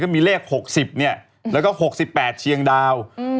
มีเลข๖๐แล้วก็๖๘เซียงดาว